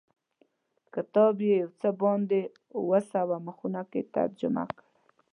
کتاب یې په څه باندې اووه سوه مخونو کې ترجمه کړی.